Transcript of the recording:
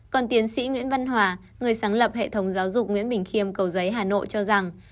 còn tiến sĩ nguyễn văn hòa người sáng lập hệ thống giáo dục nguyễn bình khiêm cầu giấy hà nội cho rằng